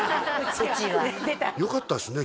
うちはよかったですね